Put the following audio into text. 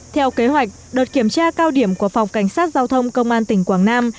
theo kế hoạch đợt kiểm tra cao điểm của phòng cảnh sát giao thông công an tỉnh quảng nam